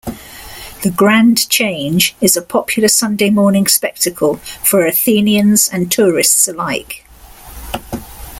The Grand Change is a popular Sunday morning spectacle for Athenians and tourists alike.